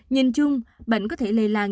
nhìn chung bệnh có thể lây lan